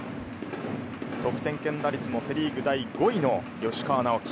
得点圏打率もセ・リーグ第５位の吉川尚輝。